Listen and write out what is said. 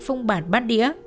phung bản bát đĩa